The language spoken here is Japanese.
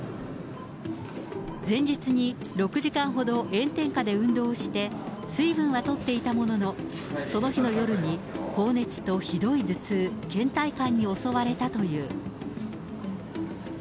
前日に６時間ほど炎天下で運動をして、水分はとっていたものの、その日の夜に高熱とひどい頭痛、けん怠感に襲われたという。